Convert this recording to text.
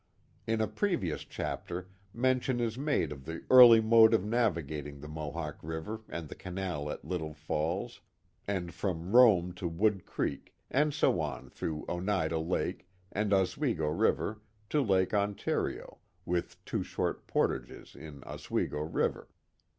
In a previous chapter mention is made of the early mode of navigating the Mohawk River and the canal at Little Falls, and from Rome to Wood Creek, and so on through Oneida Lake and Oswego River to Lake Ontario, with two short portages in Oswego River.